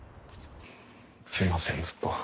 すいませんずっと。